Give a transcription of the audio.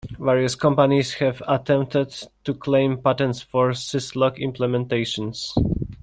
Various companies have attempted to claim patents for syslog implementations.